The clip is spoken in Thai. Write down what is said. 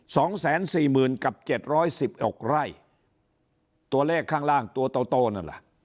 สองแสนสี่หมื่นกับเจ็ดร้อยสิบหกไร่ตัวเลขข้างล่างตัวโตโตนั่นล่ะ